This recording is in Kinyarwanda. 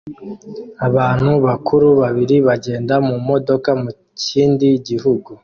Abantu bakuru babiri bagenda mu modoka mu kindi gihugu